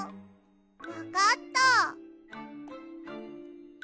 わかった！